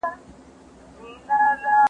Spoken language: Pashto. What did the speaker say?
خلک معمولاً په ډلو کې ژوند کوي.